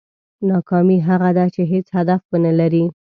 ناکامي هغه ده چې هېڅ هدف ونه لرې.